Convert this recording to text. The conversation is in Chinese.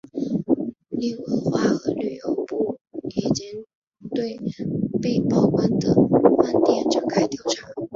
另文化和旅游部已经对被曝光的饭店展开调查。